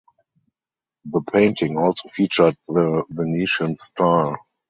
The painting also featured the Venetian style.